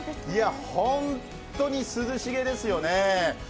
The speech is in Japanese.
本当に涼しげですよね。